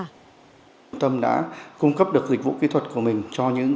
trung tâm đã cung cấp được dịch vụ kỹ thuật của mình cho những doanh nghiệp